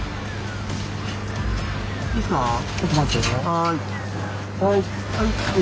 はい。